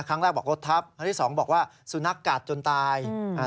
ครั้งแรกบอกรถทับครั้งที่สองบอกว่าสุนัขกัดจนตายอืมอ่า